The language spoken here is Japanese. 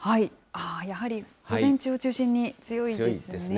ああ、やはり午前中を中心に強いですね。